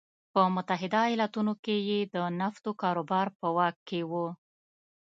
په متحده ایالتونو کې یې د نفتو کاروبار په واک کې و.